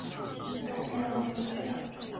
电鲇可以发出猫叫的声音。